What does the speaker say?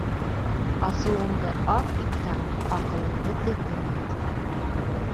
Асыуыңды ат итһәң, аҡылыңды теҙген ит.